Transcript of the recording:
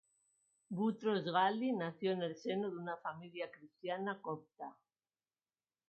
Butros-Ghali nació en el seno de una familia cristiana copta.